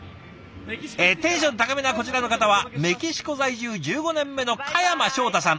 テンション高めなこちらの方はメキシコ在住１５年目の嘉山正太さん。